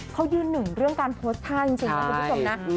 เขายืนหนึ่งเรื่องการโพสต์ท่าจริงนะคุณผู้ชมนะ